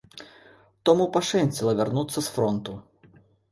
Тому пашэнціла вярнуцца з фронту.